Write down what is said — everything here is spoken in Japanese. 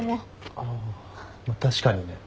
ああ確かにね。